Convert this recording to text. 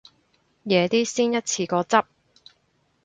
夜啲先一次過執